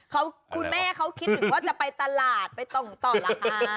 คุณแม่เค้าคิดเหมือนว่าจะไปตลาดไปตรงต่อหลังค่า